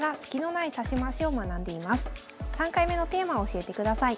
３回目のテーマを教えてください。